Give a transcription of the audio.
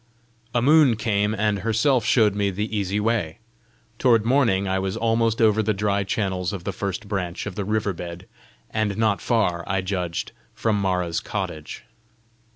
A moon came, and herself showed me the easy way: toward morning I was almost over the dry channels of the first branch of the river bed, and not far, I judged, from Mara's cottage.